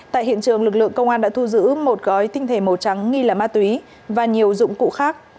tại hiện trường lực lượng công an đã thu giữ một gói tinh thể màu trắng nghi là ma túy và nhiều dụng cụ khác